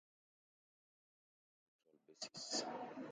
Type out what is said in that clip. And do it on a revenue-neutral basis.